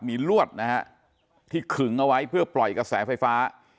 มีลวดนะฮะที่ขึงเอาไว้เพื่อปล่อยกระแสไฟฟ้า